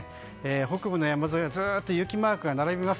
北部の山沿いはずっと雪マークが並びます。